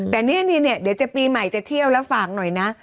แต่เนี่ยเดี๋ยวจะปีใหม่จะเที่ยวแล้วฝากหน่อยนะ